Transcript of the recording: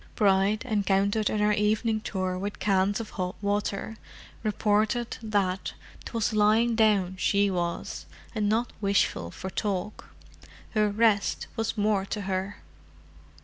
Bride, encountered in her evening tour with cans of hot water, reported that 'twas lying down she was, and not wishful for talk: her resht was more to her.